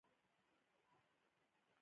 بیا که موږ وغواړو یوه پوښتنه وکړو.